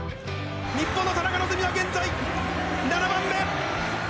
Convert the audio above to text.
日本の田中希実は現在７番目！